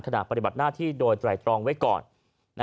ขณะปฏิบัติหน้าที่โดยไตรตรองไว้ก่อน